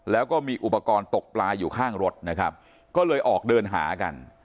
แล้วก็มีอุปกรณ์ตกปลาอยู่ข้างรถนะครับก็เลยออกเดินหากัน